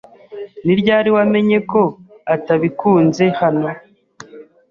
Ni ryari wamenye ko atabikunze hano?